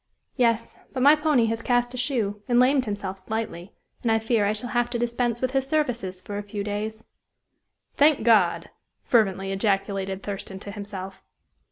"Yes; but my pony has cast a shoe and lamed himself slightly, and I fear I shall have to dispense with his services for a few days." "Thank God!" fervently ejaculated Thurston to himself.